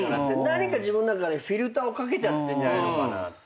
何か自分の中でフィルターをかけちゃってんじゃないのかなって。